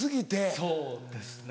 そうですね。